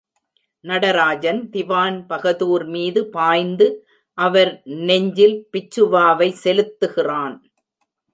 நடராஜன் திவான் பகதூர் மீது பாய்ந்து அவர் நெஞ்சில் பிச்சுவாவைச் செலுத்துகிறான்.